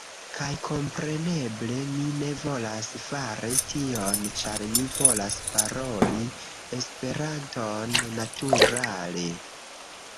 Kaj kompreneble, mi ne volas fari tion ĉar mi volas paroli Esperanton naturale